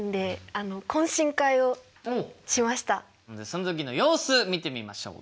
その時の様子見てみましょう。